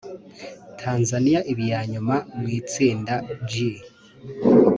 Tanzania iba iya nyuma mu itsinda G